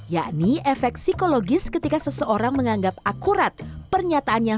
yakni efek psikologis ketika seseorang menganggap akurat pernyataannya